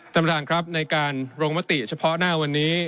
สำหรับในการรงมติเฉพาะหน้าวันนี้